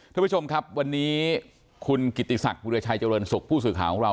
ท่านผู้ชมครับวันนี้คุณกิติศักดิราชัยเจริญสุขผู้สื่อข่าวของเรา